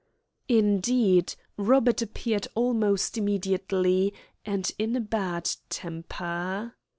Indeed, Robert appeared almost immediately, and in a bad temper.